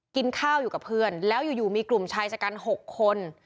กินข้าวอยู่กับเพื่อนแล้วอยู่มีกลุ่มชายชะกัน๖คน